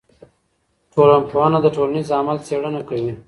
ټولنپوهنه د ټولنیز عمل څېړنه کوي.